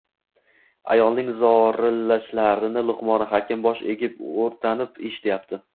Ayolning zorillashlarini Luqmoni Hakim bosh egib, o‘rtanib eshityapti.